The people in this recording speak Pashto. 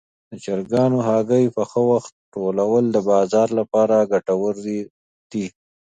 د چرګانو هګۍ په ښه وخت ټولول د بازار لپاره ګټور دي.